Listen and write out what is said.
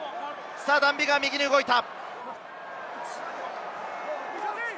ダン・ビガーが右に動いた。